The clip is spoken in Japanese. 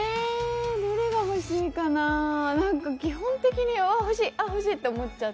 どれが欲しいかな、基本的に欲しい、欲しいって思っちゃう。